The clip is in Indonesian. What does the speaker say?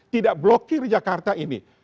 tidak blokir jakarta ini